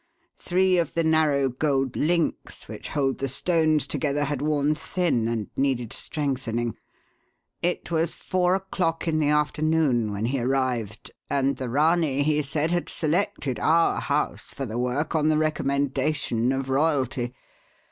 Three of the narrow gold links which hold the stones together had worn thin and needed strengthening. It was four o'clock in the afternoon when he arrived, and the Ranee, he said, had selected our house for the work on the recommendation of royalty.